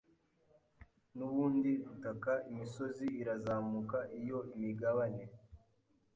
nubundi butaka Imisozi irazamuka iyo imigabane